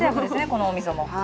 このおみそも。